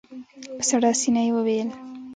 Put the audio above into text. په سړه سينه يې وويل.